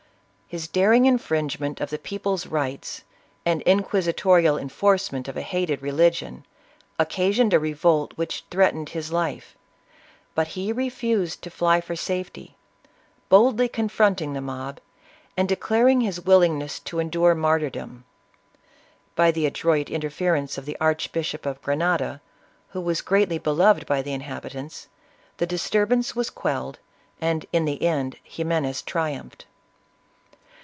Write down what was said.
His daring infringement of the people's rights, and inquisitorial enforcement of a hated religion, occasioned a revolt which threatened his life; but he refused to fly for safety, boldly confronting the mob, and declaring his willingness to endure martyrdom. By the adroit in terference of the Archbishop of Grenada, who was greatly beloved by the inhabitants, the disturbance was quelled, and, in the end, Ximenes triumphed.